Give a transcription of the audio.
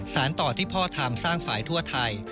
สารต่อที่พ่อทำสร้างฝ่ายทั่วไทย